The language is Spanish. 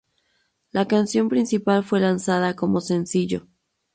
La canción principal fue lanzada como sencillo.